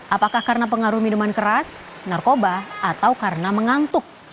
apakah karena pengaruh minuman keras narkoba atau karena mengantuk